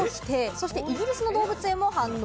そしてイギリスの動物園も反応。